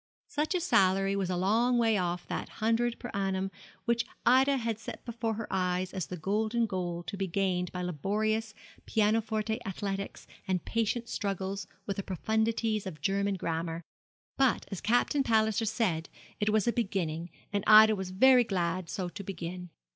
Such a salary was a long way off that hundred per annum which Ida had set before her eyes as the golden goal to be gained by laborious pianoforte athletics and patient struggles with the profundities of German grammar; but, as Captain Palliser paid, it was a beginning; and Ida was very glad so to begin.